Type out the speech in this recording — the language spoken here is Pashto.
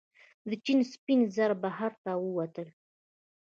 د چین سپین زر بهر ته ووتل.